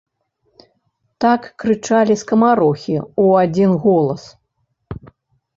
Так крычалі скамарохі ў адзін голас.